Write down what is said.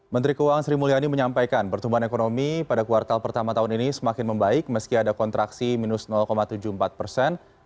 menteri keuangan sri mulyani menyampaikan pertumbuhan ekonomi pada kuartal pertama tahun ini semakin membaik meski ada kontraksi minus tujuh puluh empat persen